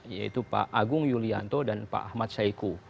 yaitu pak agung yulianto dan pak ahmad saiku